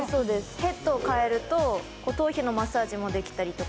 ヘッドを変えるとマッサージできたりとか。